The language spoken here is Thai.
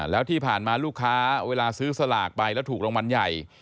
แล้วที่ผ่านมาลูกค้าเวลาซื้อสลากไปแล้วถูกรางวัลใหญ่